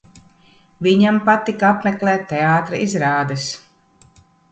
Viņam patika apmeklēt teātra izrādes